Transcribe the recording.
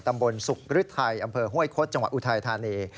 ตำบลศุกร์ฤทัยอำเภอห้วยคดจังหวัดอุทัยธานี